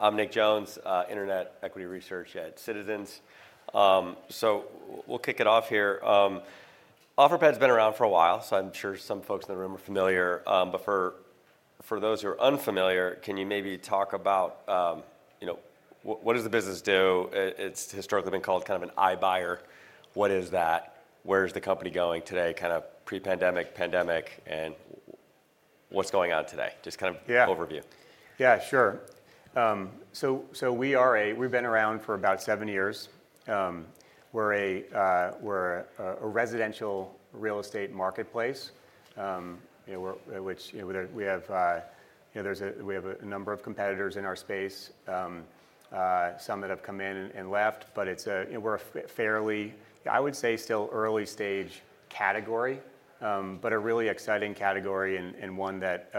I'm Nick Jones, Internet Equity Research at Citizens. We'll kick it off here. Offerpad's been around for a while, so I'm sure some folks in the room are familiar. For those who are unfamiliar, can you maybe talk about, you know, what does the business do? It's historically been called kind of an iBuyer. What is that? Where's the company going today? Kind of pre-pandemic, pandemic, and what's going on today? Just kind of overview. Yeah, sure. We are a—we've been around for about seven years. We're a residential real estate marketplace, which we have—you know, there's a—we have a number of competitors in our space, some that have come in and left. It's a—you know, we're a fairly, I would say, still early-stage category, but a really exciting category and one that,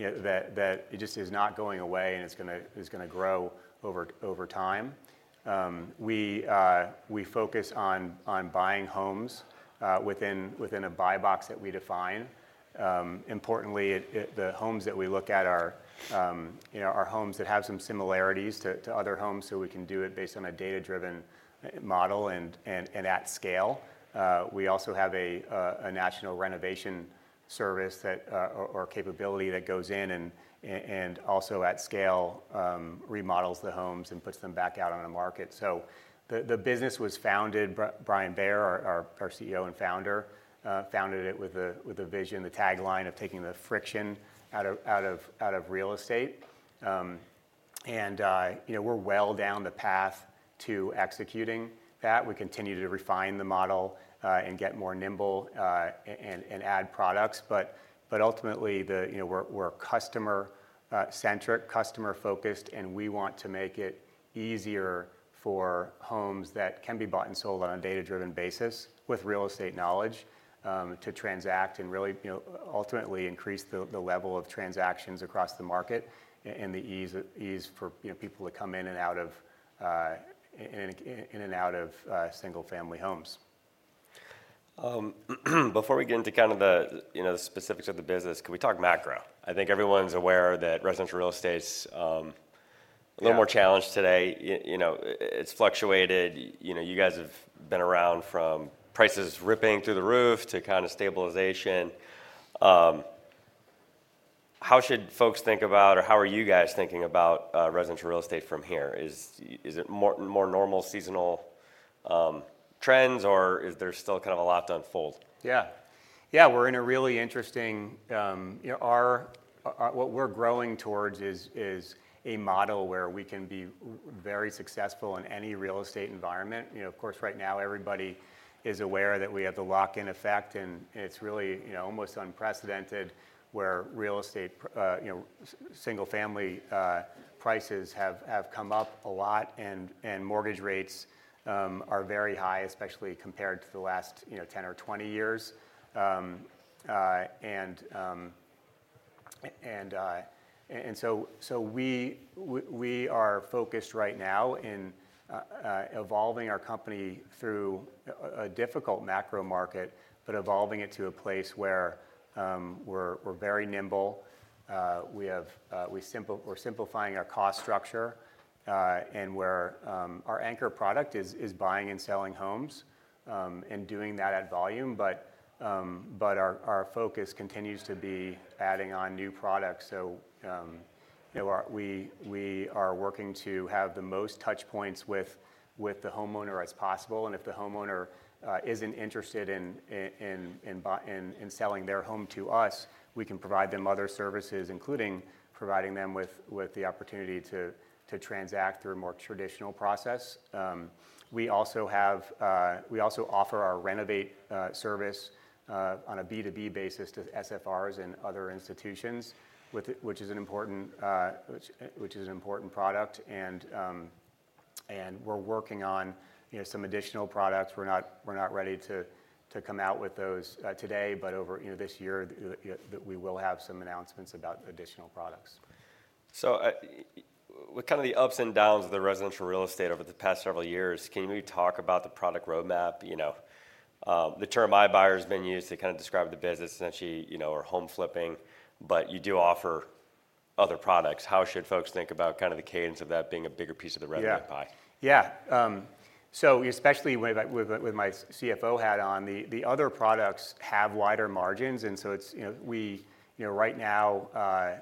you know, that it just is not going away and it's going to grow over time. We focus on buying homes within a buy box that we define. Importantly, the homes that we look at are homes that have some similarities to other homes, so we can do it based on a data-driven model and at scale. We also have a national renovation service or capability that goes in and also at scale remodels the homes and puts them back out on the market. The business was founded—Brian Bair, our CEO and founder, founded it with a vision, the tagline of taking the friction out of real estate. You know, we're well down the path to executing that. We continue to refine the model and get more nimble and add products. Ultimately, you know, we're customer-centric, customer-focused, and we want to make it easier for homes that can be bought and sold on a data-driven basis with real estate knowledge to transact and really, you know, ultimately increase the level of transactions across the market and the ease for people to come in and out of single-family homes. Before we get into kind of the specifics of the business, can we talk macro? I think everyone's aware that residential real estate's a little more challenged today. You know, it's fluctuated. You know, you guys have been around from prices ripping through the roof to kind of stabilization. How should folks think about, or how are you guys thinking about residential real estate from here? Is it more normal seasonal trends, or is there still kind of a lot to unfold? Yeah. Yeah, we're in a really interesting—you know, what we're growing towards is a model where we can be very successful in any real estate environment. You know, of course, right now everybody is aware that we have the lock-in effect, and it's really, you know, almost unprecedented where real estate, you know, single-family prices have come up a lot and mortgage rates are very high, especially compared to the last, you know, 10 or 20 years. We are focused right now in evolving our company through a difficult macro market, but evolving it to a place where we're very nimble. We're simplifying our cost structure and where our anchor product is buying and selling homes and doing that at volume. Our focus continues to be adding on new products. We are working to have the most touchpoints with the homeowner as possible. If the homeowner isn't interested in selling their home to us, we can provide them other services, including providing them with the opportunity to transact through a more traditional process. We also offer our Renovate service on a B2B basis to SFRs and other institutions, which is an important product. We're working on some additional products. We're not ready to come out with those today, but over this year, we will have some announcements about additional products. With kind of the ups and downs of the residential real estate over the past several years, can you maybe talk about the product roadmap? You know, the term iBuyer has been used to kind of describe the business, essentially, you know, or home flipping, but you do offer other products. How should folks think about kind of the cadence of that being a bigger piece of the resident pie? Yeah. Yeah. Especially with my CFO hat on, the other products have wider margins. It is, you know, we right now,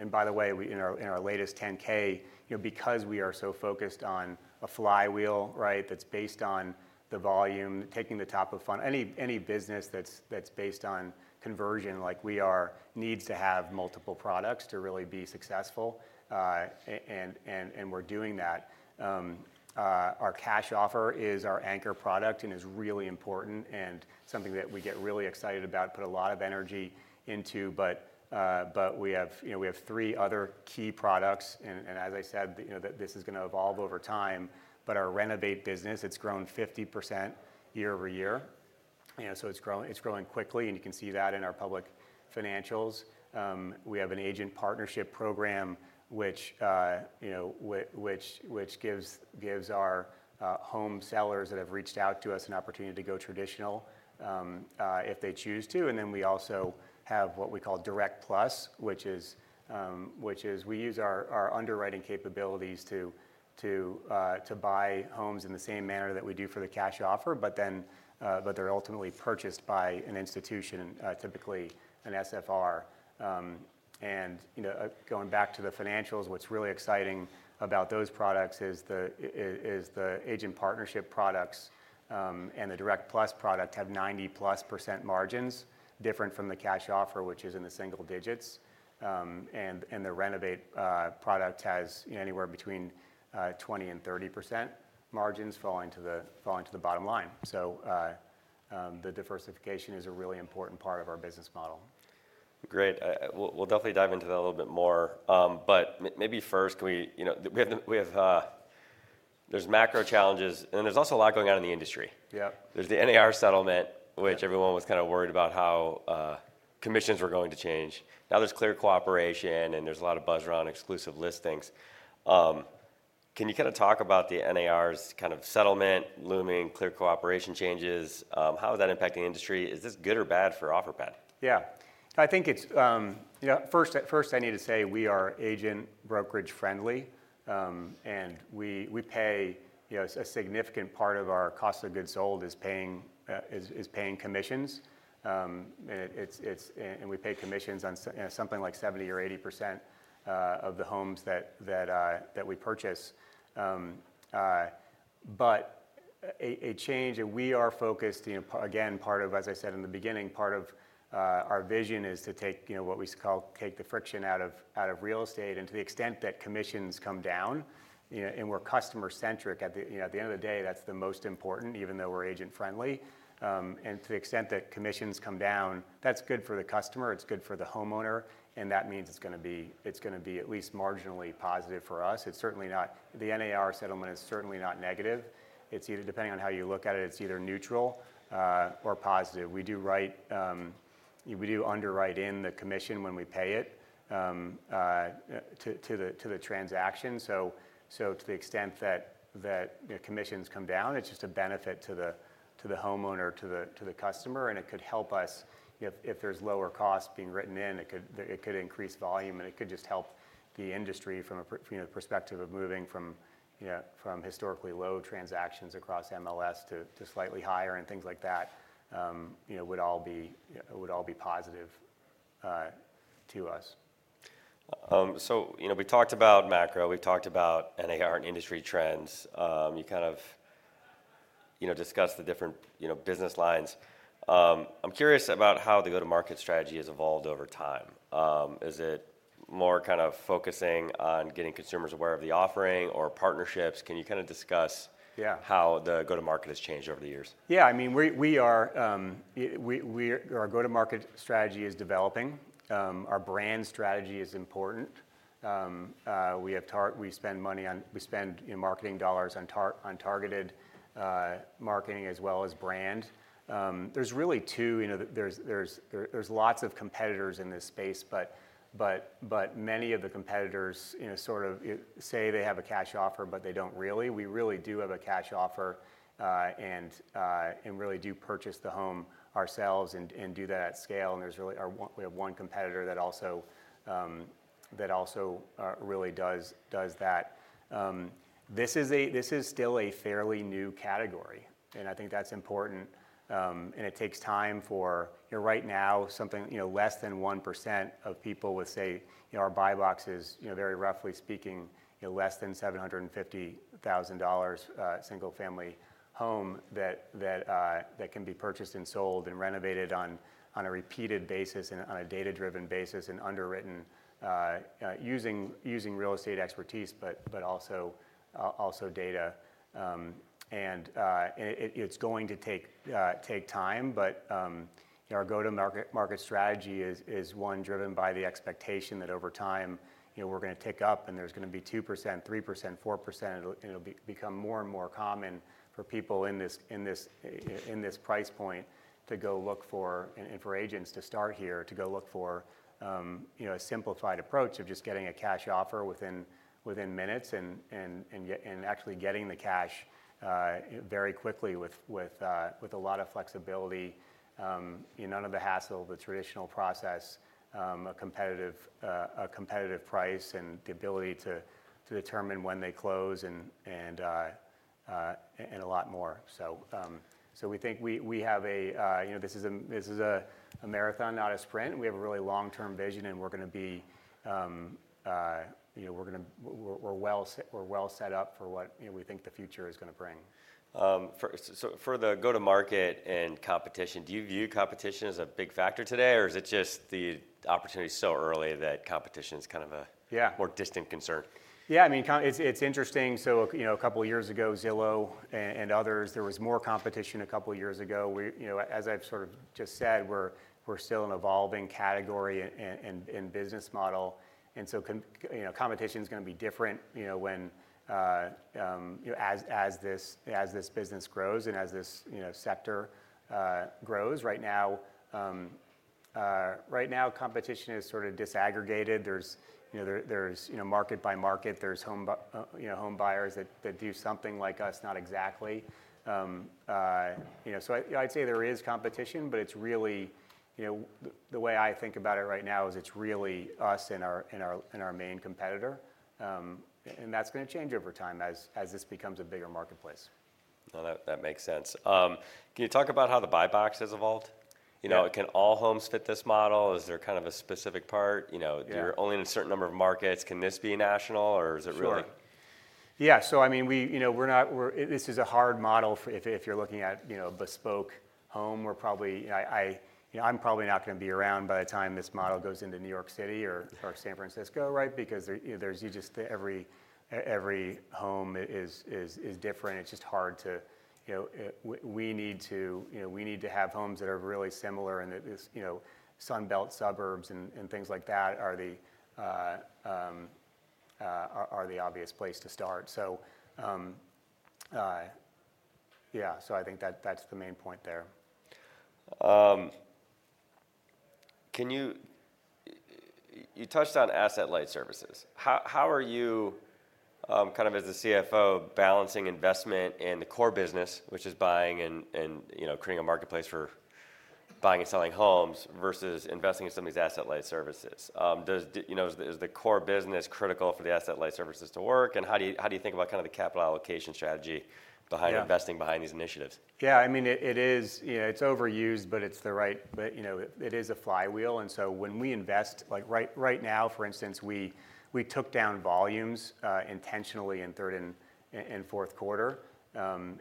and by the way, in our latest 10-K, you know, because we are so focused on a flywheel, right, that is based on the volume, taking the top of fund, any business that is based on conversion like we are needs to have multiple products to really be successful. We are doing that. Our cash offer is our anchor product and is really important and something that we get really excited about, put a lot of energy into. We have three other key products. As I said, you know, this is going to evolve over time. Our Renovate business, it has grown 50% year over year. It is growing quickly, and you can see that in our public financials. We have an Agent Partnership Program, which gives our home sellers that have reached out to us an opportunity to go traditional if they choose to. We also have what we call Direct Plus, which is we use our underwriting capabilities to buy homes in the same manner that we do for the cash offer, but they're ultimately purchased by an institution, typically an SFR. Going back to the financials, what's really exciting about those products is the Agent Partnership products and the Direct Plus product have 90%+ margins, different from the cash offer, which is in the single digits. The Renovate product has anywhere between 20-30% margins falling to the bottom line. The diversification is a really important part of our business model. Great. We'll definitely dive into that a little bit more. Maybe first, can we, you know, there's macro challenges, and there's also a lot going on in the industry. Yeah. There's the NAR settlement, which everyone was kind of worried about how commissions were going to change. Now there's Clear Cooperation, and there's a lot of buzz around exclusive listings. Can you kind of talk about the NAR's kind of settlement, looming, Clear Cooperation changes? How is that impacting the industry? Is this good or bad for Offerpad? Yeah. I think it's, you know, first I need to say we are agent brokerage friendly, and we pay a significant part of our cost of goods sold is paying commissions. We pay commissions on something like 70% or 80% of the homes that we purchase. A change, and we are focused, you know, again, part of, as I said in the beginning, part of our vision is to take what we call take the friction out of real estate. To the extent that commissions come down, you know, and we're customer-centric, at the end of the day, that's the most important, even though we're agent friendly. To the extent that commissions come down, that's good for the customer, it's good for the homeowner, and that means it's going to be at least marginally positive for us. The NAR settlement is certainly not negative. It's either, depending on how you look at it, it's either neutral or positive. We do write, we do underwrite in the commission when we pay it to the transaction. To the extent that commissions come down, it's just a benefit to the homeowner, to the customer. It could help us if there's lower costs being written in, it could increase volume, and it could just help the industry from a perspective of moving from historically low transactions across MLS to slightly higher and things like that, you know, would all be positive to us. You know, we talked about macro, we've talked about NAR and industry trends. You kind of, you know, discussed the different business lines. I'm curious about how the go-to-market strategy has evolved over time. Is it more kind of focusing on getting consumers aware of the offering or partnerships? Can you kind of discuss how the go-to-market has changed over the years? Yeah. I mean, our go-to-market strategy is developing. Our brand strategy is important. We spend money on, we spend marketing dollars on targeted marketing as well as brand. There's really two, you know, there's lots of competitors in this space, but many of the competitors sort of say they have a cash offer, but they don't really. We really do have a cash offer and really do purchase the home ourselves and do that at scale. There's really, we have one competitor that also really does that. This is still a fairly new category, and I think that's important. It takes time for, you know, right now, something less than 1% of people would say, you know, our buy box is, you know, very roughly speaking, you know, less than $750,000 single-family home that can be purchased and sold and renovated on a repeated basis and on a data-driven basis and underwritten using real estate expertise, but also data. It's going to take time, but our go-to-market strategy is one driven by the expectation that over time, you know, we're going to tick up and there's going to be 2%, 3%, 4%, and it'll become more and more common for people in this price point to go look for, and for agents to start here, to go look for a simplified approach of just getting a cash offer within minutes and actually getting the cash very quickly with a lot of flexibility, none of the hassle, the traditional process, a competitive price, and the ability to determine when they close and a lot more. We think we have a, you know, this is a marathon, not a sprint. We have a really long-term vision, and we're going to be, you know, we're well set up for what we think the future is going to bring. For the go-to-market and competition, do you view competition as a big factor today, or is it just the opportunity so early that competition is kind of a more distant concern? Yeah. I mean, it's interesting. You know, a couple of years ago, Zillow and others, there was more competition a couple of years ago. You know, as I've sort of just said, we're still an evolving category and business model. You know, competition is going to be different, you know, as this business grows and as this sector grows. Right now, competition is sort of disaggregated. There's market by market. There's home buyers that do something like us, not exactly. You know, so I'd say there is competition, but it's really, you know, the way I think about it right now is it's really us and our main competitor. That's going to change over time as this becomes a bigger marketplace. That makes sense. Can you talk about how the buy box has evolved? You know, can all homes fit this model? Is there kind of a specific part? You know, you're only in a certain number of markets. Can this be national, or is it really? Yeah. I mean, you know, this is a hard model if you're looking at, you know, a bespoke home. We're probably, you know, I'm probably not going to be around by the time this model goes into New York City or San Francisco, right, because there's just every home is different. It's just hard to, you know, we need to, you know, we need to have homes that are really similar and that, you know, Sunbelt suburbs and things like that are the obvious place to start. Yeah, I think that's the main point there. Can you, you touched on asset-light services. How are you kind of as a CFO balancing investment and the core business, which is buying and, you know, creating a marketplace for buying and selling homes versus investing in some of these asset-light services? You know, is the core business critical for the asset-light services to work? How do you think about kind of the capital allocation strategy behind investing behind these initiatives? Yeah. I mean, it is, you know, it's overused, but it's the right, you know, it is a flywheel. When we invest, like right now, for instance, we took down volumes intentionally in third and fourth quarter and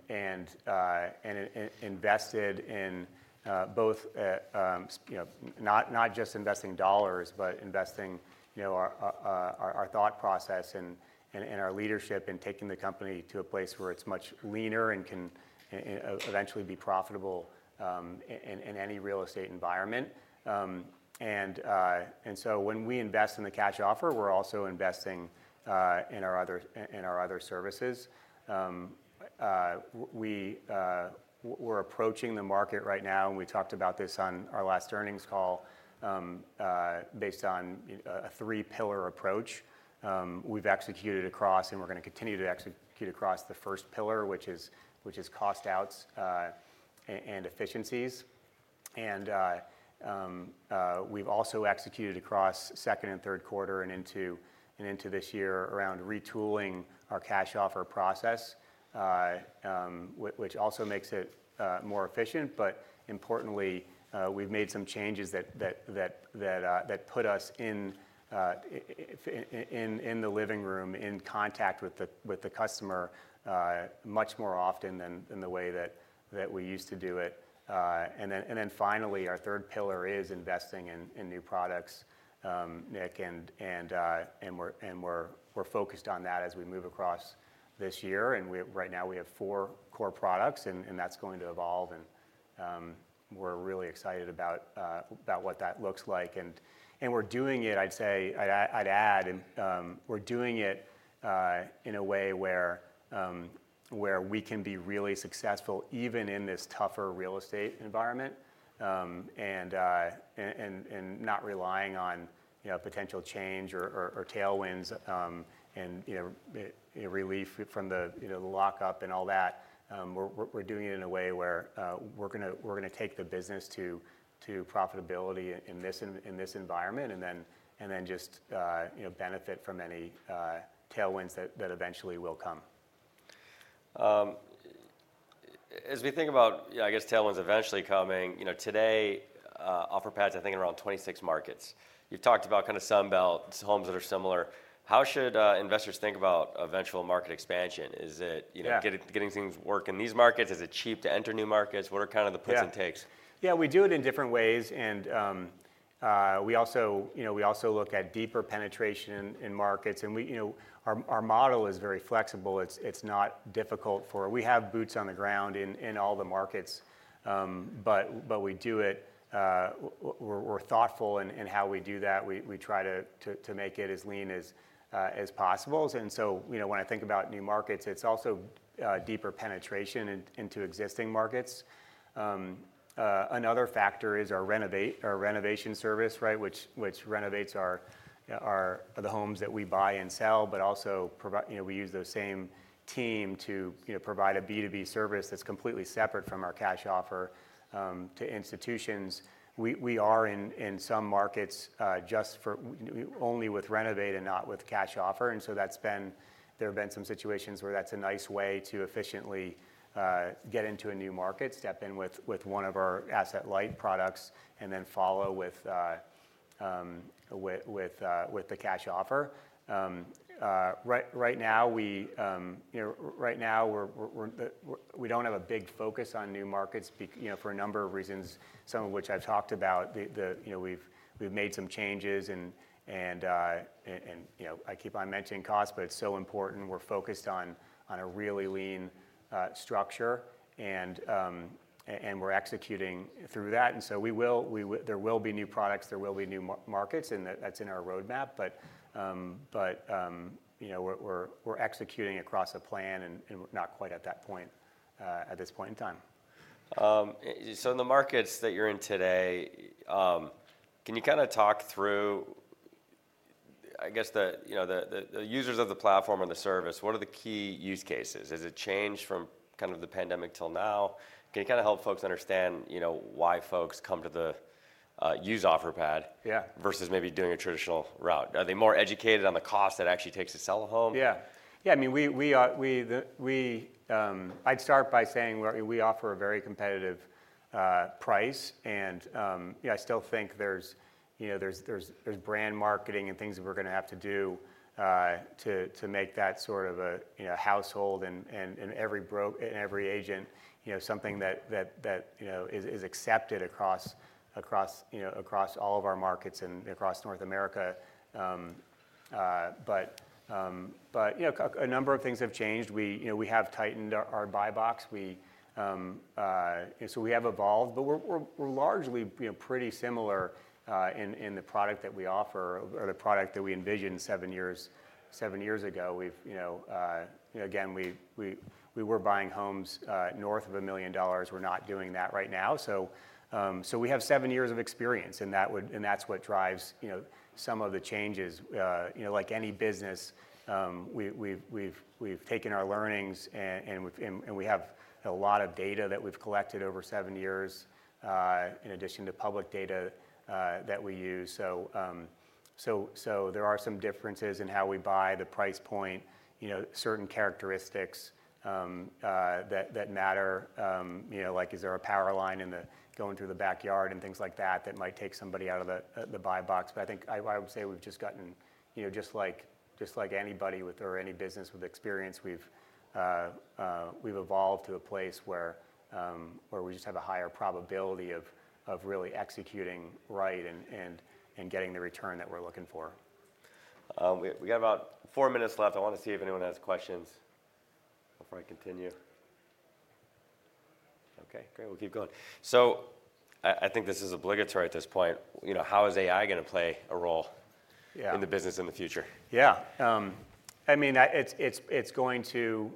invested in both, you know, not just investing dollars, but investing, you know, our thought process and our leadership in taking the company to a place where it's much leaner and can eventually be profitable in any real estate environment. When we invest in the cash offer, we're also investing in our other services. We're approaching the market right now, and we talked about this on our last earnings call based on a three-pillar approach. We've executed across, and we're going to continue to execute across the first pillar, which is cost outs and efficiencies. We have also executed across second and third quarter and into this year around retooling our cash offer process, which also makes it more efficient. Importantly, we have made some changes that put us in the living room, in contact with the customer much more often than the way that we used to do it. Finally, our third pillar is investing in new products, Nick, and we are focused on that as we move across this year. Right now we have four core products, and that is going to evolve. We are really excited about what that looks like. We are doing it, I would add, in a way where we can be really successful even in this tougher real estate environment and not relying on potential change or tailwinds and relief from the lock-in effect and all that. We're doing it in a way where we're going to take the business to profitability in this environment and then just benefit from any tailwinds that eventually will come. As we think about, I guess, tailwinds eventually coming, you know, today, Offerpad's, I think, in around 26 markets. You've talked about kind of Sunbelt, homes that are similar. How should investors think about eventual market expansion? Is it getting things work in these markets? Is it cheap to enter new markets? What are kind of the puts and takes? Yeah. We do it in different ways. We also look at deeper penetration in markets. Our model is very flexible. It's not difficult for, we have boots on the ground in all the markets, but we do it. We're thoughtful in how we do that. We try to make it as lean as possible. You know, when I think about new markets, it's also deeper penetration into existing markets. Another factor is our Renovate service, right, which renovates the homes that we buy and sell, but also, you know, we use the same team to provide a B2B service that's completely separate from our cash offer to institutions. We are in some markets just for only with Renovate and not with cash offer. There have been some situations where that's a nice way to efficiently get into a new market, step in with one of our asset-light products, and then follow with the cash offer. Right now, we don't have a big focus on new markets for a number of reasons, some of which I've talked about. You know, we've made some changes and, you know, I keep on mentioning costs, but it's so important. We're focused on a really lean structure and we're executing through that. There will be new products, there will be new markets, and that's in our roadmap. You know, we're executing across a plan and not quite at that point at this point in time. In the markets that you're in today, can you kind of talk through, I guess, the users of the platform and the service? What are the key use cases? Has it changed from kind of the pandemic till now? Can you kind of help folks understand, you know, why folks come to use Offerpad versus maybe doing a traditional route? Are they more educated on the cost that actually takes to sell a home? Yeah. Yeah. I mean, I'd start by saying we offer a very competitive price. I still think there's brand marketing and things that we're going to have to do to make that sort of a household and every broker and every agent, you know, something that is accepted across all of our markets and across North America. You know, a number of things have changed. We have tightened our buy box. We have evolved, but we're largely pretty similar in the product that we offer or the product that we envisioned seven years ago. Again, we were buying homes north of $1 million. We're not doing that right now. We have seven years of experience and that's what drives some of the changes. You know, like any business, we've taken our learnings and we have a lot of data that we've collected over seven years in addition to public data that we use. There are some differences in how we buy, the price point, you know, certain characteristics that matter, you know, like is there a power line going through the backyard and things like that that might take somebody out of the buy box. I think I would say we've just gotten, you know, just like anybody with or any business with experience, we've evolved to a place where we just have a higher probability of really executing right and getting the return that we're looking for. We got about four minutes left. I want to see if anyone has questions before I continue. Okay. Great. We'll keep going. I think this is obligatory at this point. You know, how is AI going to play a role in the business in the future? Yeah. I mean, it's going to,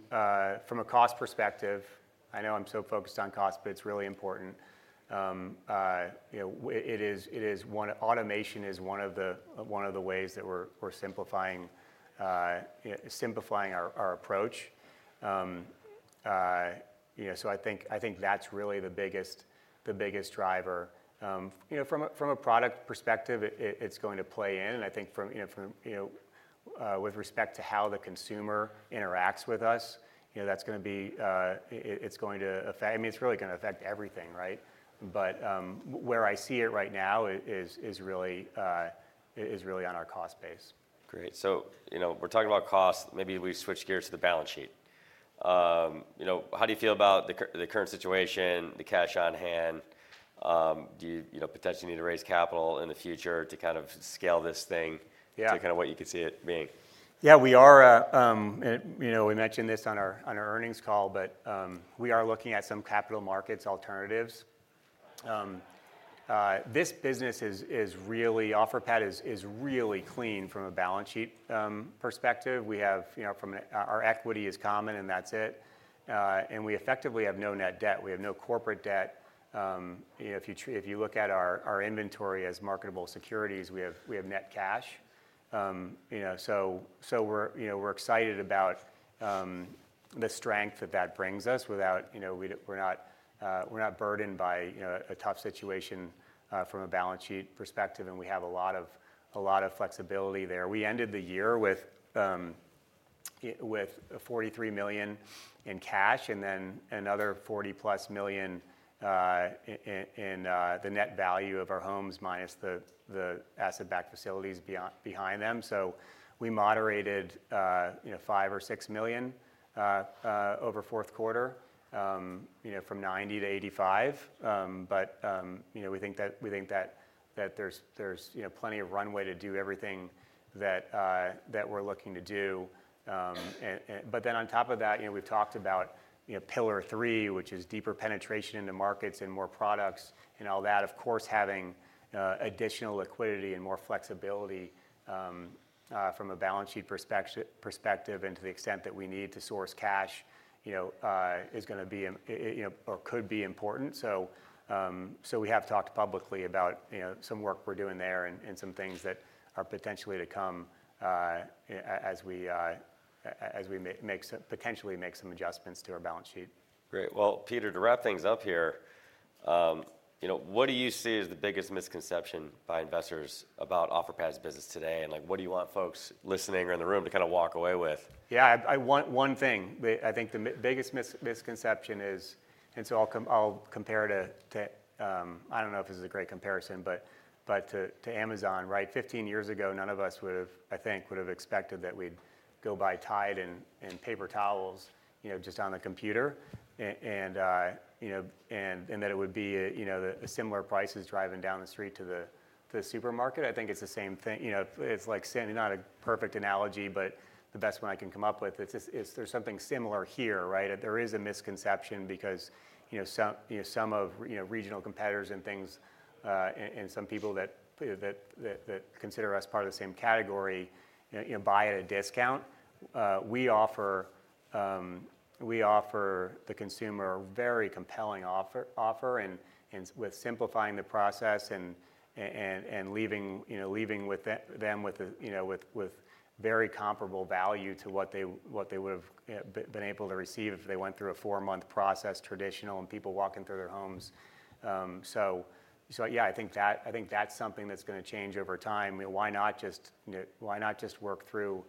from a cost perspective, I know I'm so focused on cost, but it's really important. You know, automation is one of the ways that we're simplifying our approach. You know, so I think that's really the biggest driver. You know, from a product perspective, it's going to play in. And I think with respect to how the consumer interacts with us, you know, that's going to be, it's going to affect, I mean, it's really going to affect everything, right? Where I see it right now is really on our cost base. Great. You know, we're talking about cost. Maybe we switch gears to the balance sheet. You know, how do you feel about the current situation, the cash on hand? Do you, you know, potentially need to raise capital in the future to kind of scale this thing to kind of what you could see it being? Yeah. We are, you know, we mentioned this on our earnings call, but we are looking at some capital markets alternatives. This business is really, Offerpad is really clean from a balance sheet perspective. We have, you know, from our equity is common and that's it. And we effectively have no net debt. We have no corporate debt. You know, if you look at our inventory as marketable securities, we have net cash. You know, so we're excited about the strength that that brings us without, you know, we're not burdened by a tough situation from a balance sheet perspective. We have a lot of flexibility there. We ended the year with $43 million in cash and then another $40 million-plus in the net value of our homes minus the asset-backed facilities behind them. We moderated, you know, five or six million over fourth quarter, you know, from 90 to 85. You know, we think that there's, you know, plenty of runway to do everything that we're looking to do. Then on top of that, you know, we've talked about, you know, pillar three, which is deeper penetration into markets and more products and all that. Of course, having additional liquidity and more flexibility from a balance sheet perspective and to the extent that we need to source cash, you know, is going to be, you know, or could be important. We have talked publicly about, you know, some work we're doing there and some things that are potentially to come as we potentially make some adjustments to our balance sheet. Great. Peter, to wrap things up here, you know, what do you see as the biggest misconception by investors about Offerpad's business today? Like, what do you want folks listening or in the room to kind of walk away with? Yeah. I want one thing. I think the biggest misconception is, and so I'll compare to, I don't know if this is a great comparison, but to Amazon, right? Fifteen years ago, none of us would have, I think, would have expected that we'd go buy Tide and paper towels, you know, just on the computer. You know, and that it would be, you know, similar prices driving down the street to the supermarket. I think it's the same thing. You know, it's like saying not a perfect analogy, but the best one I can come up with is there's something similar here, right? There is a misconception because, you know, some of, you know, regional competitors and things and some people that consider us part of the same category, you know, buy at a discount. We offer the consumer a very compelling offer and with simplifying the process and leaving them with, you know, with very comparable value to what they would have been able to receive if they went through a four-month process traditional and people walking through their homes. Yeah, I think that's something that's going to change over time. Why not just work through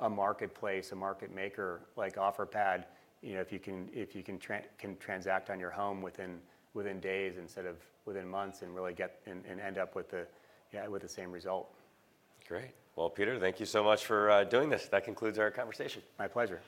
a marketplace, a market maker like Offerpad? You know, if you can transact on your home within days instead of within months and really get and end up with the same result. Great. Peter, thank you so much for doing this. That concludes our conversation. My pleasure.